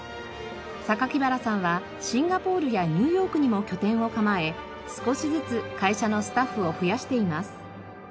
原さんはシンガポールやニューヨークにも拠点を構え少しずつ会社のスタッフを増やしています。